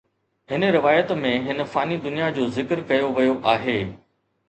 هن روايت ۾ هن فاني دنيا جو ذڪر ڪيو ويو آهي